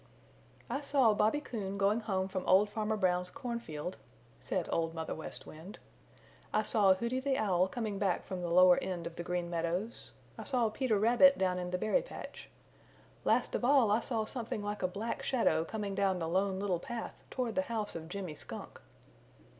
"I saw Bobby Coon going home from old Farmer Brown's cornfield," said Old Mother West Wind. "I saw Hooty the Owl coming back from the lower end of the Green Meadows. I saw Peter Rabbit down in the berry patch. Last of all I saw something like a black shadow coming down the Lone Little Path toward the house of Jimmy Skunk."